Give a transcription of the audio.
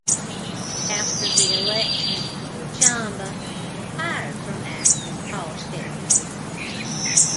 After the election, Shamba retired from active politics.